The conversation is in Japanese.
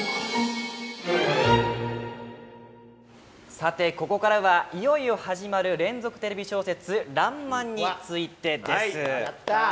さてここからはいよいよ始まる連続テレビ小説「らんまん」についてです。やった！